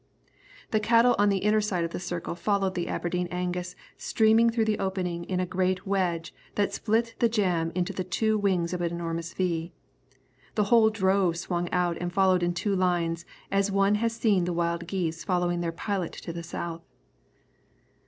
The cattle on the inner side of the circle followed the Aberdeen Angus, streaming through the opening in a great wedge that split the jam into the two wings of an enormous V. The whole drove swung out and followed in two lines, as one has seen the wild geese following their pilot to the south.